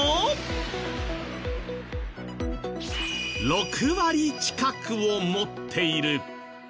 ６割近くを持っている。